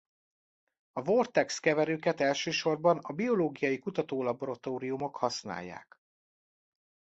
A vortex keverőket elsősorban a biológiai kutatólaboratóriumok használják.